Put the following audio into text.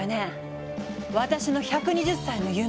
私の１２０歳の夢！